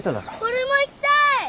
俺も行きたい！